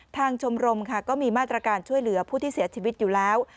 ชมรมค่ะก็มีมาตรการช่วยเหลือผู้ที่เสียชีวิตอยู่แล้ว